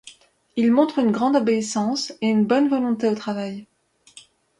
Il montre une grande obéissance et une bonne volonté au travail.